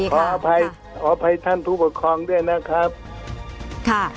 ขออภัยท่านผู้ปกครองด้วยนะครับ